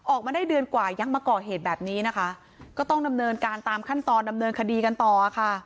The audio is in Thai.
ออกมาได้เดือนกว่ายังมาก่อเหตุแบบนี้นะคะก็ต้องดำเนินการตามขั้นตอนดำเนินคดีกันต่อค่ะ